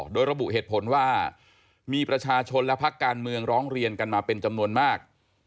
โดยระบุเหตุผลว่ามีประชาชนและพักการเมืองร้องเรียนกันมาเป็นจำนวนมาก